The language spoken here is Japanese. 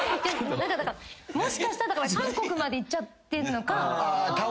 もしかしたら韓国まで行っちゃってんのか。